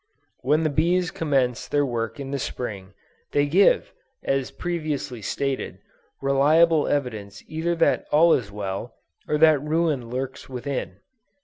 When the bees commence their work in the Spring, they give, as previously stated, reliable evidence either that all is well, or that ruin lurks within.